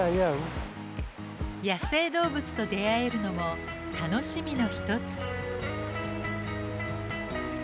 野生動物と出会えるのも楽しみの一つ。